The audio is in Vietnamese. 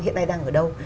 hiện nay đang ở đâu